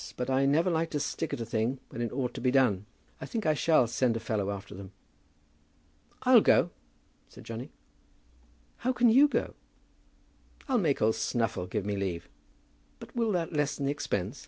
But I never like to stick at a thing when it ought to be done. I think I shall send a fellow after them." "I'll go," said Johnny. "How can you go?" "I'll make old Snuffle give me leave." "But will that lessen the expense?"